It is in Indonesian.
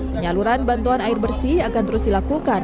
penyaluran bantuan air bersih akan terus dilakukan